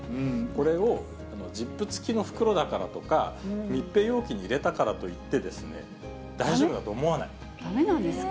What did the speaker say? これをジップつきの袋だからとか、密閉容器に入れたからといって、だめなんですか？